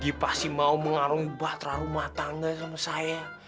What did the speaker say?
dia pasti mau mengarungi bahtera rumah tangga sama saya